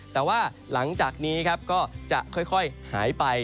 แต่ว่าหลังจากนี้ครับก็จะค่อยหายไป